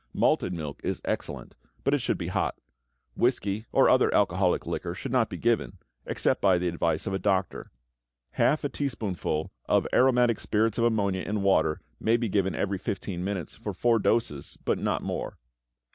Malted milk is excellent, but it should be hot. Whisky and other alcoholic liquor should not be given, except by the advice of a doctor. Half a teaspoonful of aromatic spirits of ammonia in water may be given every 15 minutes for four doses, but not more.